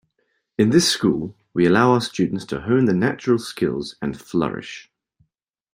In this school we allow our students to hone their natural skills and flourish.